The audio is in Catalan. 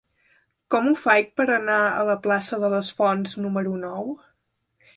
Com ho faig per anar a la plaça de les Fonts número nou?